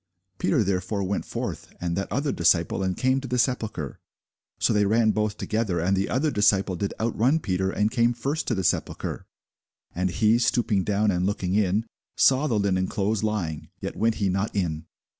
Peter therefore went forth, and that other disciple, and came to the sepulchre. So they ran both together: and the other disciple did outrun Peter, and came first to the sepulchre. And he stooping down, and looking in, saw the linen clothes lying; yet went he not in.